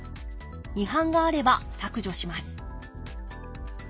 違反があれば削除します。